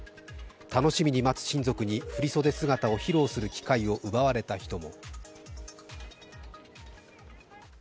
楽しみに待つ親族に振り袖姿を披露する機会を奪われた人も。